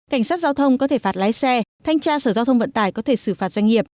cảnh sát giao thông có thể phạt lái xe thanh tra sở giao thông vận tải có thể xử phạt doanh nghiệp